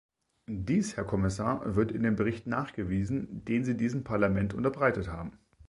Dies, Herr Kommissar, wird in dem Bericht nachgewiesen, den Sie diesem Parlament unterbreitet haben.